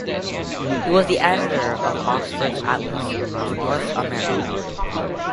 He was the editor of Oxford's "Atlas of North America".